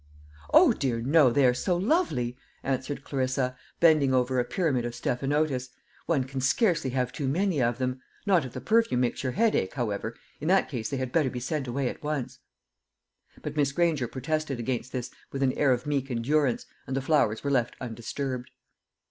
"O dear, no; they are so lovely," answered Clarissa, bending over a pyramid of stephanotis, "one can scarcely have too many of them. Not if the perfume makes your head ache, however; in that case they had better be sent away at once." But Miss Granger protested against this with an air of meek endurance, and the flowers were left undisturbed.